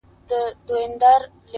نه ،نه محبوبي زما.